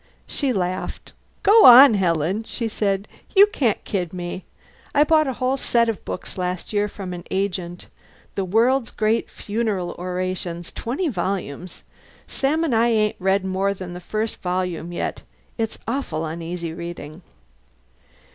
She laughed. "Go on, Helen," she said, "you can't kid me! I bought a whole set of books last year from an agent 'The World's Great Funeral Orations' twenty volumes. Sam and I ain't read more'n the first volume yet. It's awful uneasy reading!"